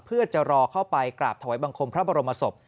เพื่อจะรอเข้าไปกราบถวายบังคมพระบรมศพ